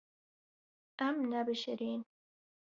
Em nebişirîn.